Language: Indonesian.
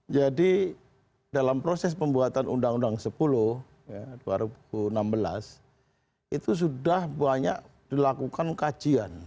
jadi dalam proses pembuatan undang undang sepuluh dua ribu enam belas itu sudah banyak dilakukan kajian